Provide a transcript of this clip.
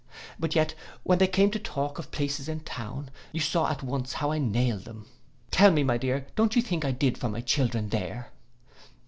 But yet, when they came to talk of places in town, you saw at once how I nailed them. Tell me, my dear, don't you think I did for my children there?